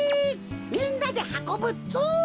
みんなではこぶぞ！